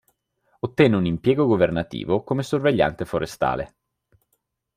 Ottenne un impiego governativo, come sorvegliante forestale.